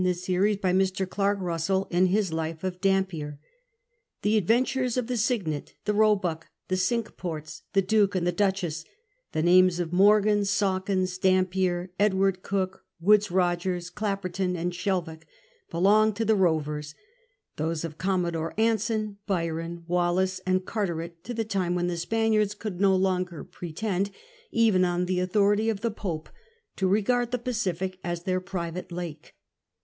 s series by Mr. Clark Russell in his Life of Dumpier. The adven tures of the Cyg'nd^ the Hoehick, the Chiqiie Forts, the Duhe, and the l)uc]iess'—ih.e names of Morgan, SaAvkins, Dampicr, Edward Cooke, Woodes Bogers, Clapperton, and Shelvocke — belong to the Rovers; those of Com modore Anson, Byron, Wallis, and Carteret to the time when the Sj»aniards could no longer pretend, even on the authority of the Pope, to regard the Pacific as their private lake.